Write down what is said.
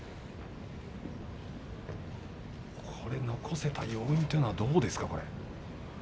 これを残せた要因というのは何ですか？